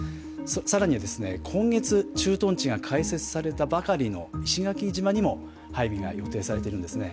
更には今月駐屯地が開設されたばかりの石垣島にも配備が予定されてるんですね。